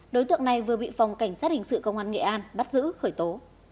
đối tượng này vừa bị phòng cảnh sát hình sự công an nghệ an bắt giữ khởi tố